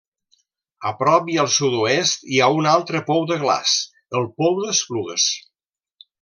A prop i al sud-oest hi ha un altre pou de glaç: el Pou d'Esplugues.